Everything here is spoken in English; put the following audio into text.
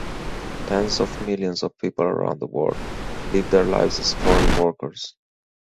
Tens of millions of people around the world live their lives as foreign workers.